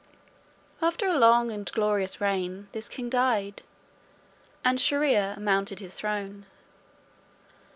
After a long and glorious reign, this king died; and Shier ear mounted his throne.